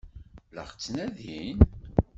La ɣ-ttnadin?